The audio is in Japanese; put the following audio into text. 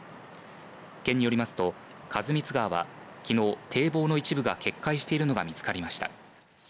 県によりますと員光川はきのう、堤防の一部が決壊しているのが見つかりました。